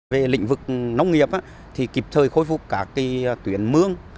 về lĩnh vực nông nghiệp thì kịp thời khôi phục cả tuyển mương